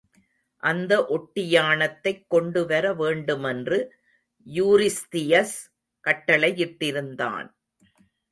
அந்த ஒட்டியாணத்தைக் கொண்டுவர வேண்டுமென்று யூரிஸ்தியஸ் கட்டளையிட்டிருந்தான்.